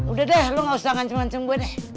udah deh lo gak usah ngancem ngancem gue deh